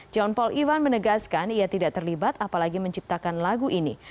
john paul ivan menegaskan ia tidak terlibat apalagi menciptakan lagu ini